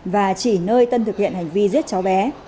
và chỉ nơi tân thực hiện hành vi giết cháu bé